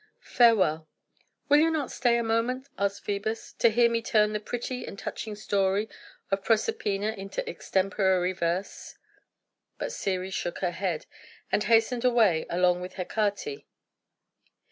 Farewell." "Will not you stay a moment," asked Phœbus, "and hear me turn the pretty and touching story of Proserpina into extemporary verses?" But Ceres shook her head, and hastened away, along with Hecate.